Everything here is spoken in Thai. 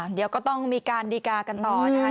เดี๋ยวก็ต้องมีการดีการ์กันต่อนะคะ